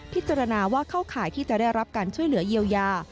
พิจารณาว่าเข้าข่ายที่จะได้รับการช่วยเหลือเยียวยา